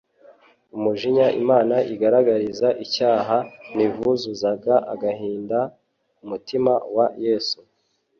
umujinya Imana igaragariza icyaha Nvuzuzaga agahinda umutima wa Yesu.